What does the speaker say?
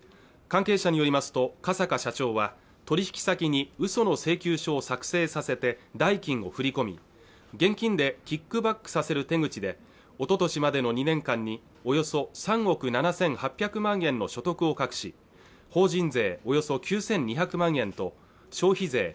関係者によりますと加坂社長は取り引き先にうその請求書を作成させて代金を振り込み現金でキックバックさせる手口でおととしまでの２年間におよそ３億７８００万円の所得を隠し法人税およそ９２００万円と消費税